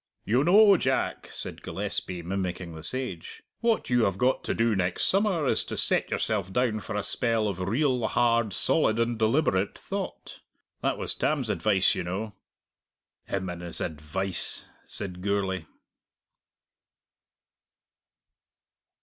"You know, Jack," said Gillespie, mimicking the sage, "what you have got to do next summer is to set yourself down for a spell of real, hard, solid, and deliberate thought. That was Tam's advice, you know." "Him and his advice!" said Gourlay.